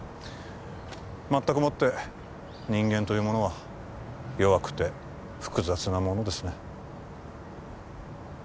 まったくもって人間というものは弱くて複雑なものですね